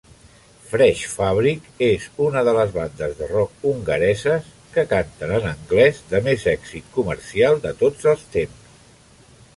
FreshFabrik és una de les bandes de rock hongareses que canten en anglès de més èxit comercial de tots els temps.